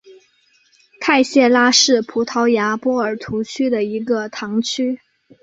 泰谢拉是葡萄牙波尔图区的一个堂区。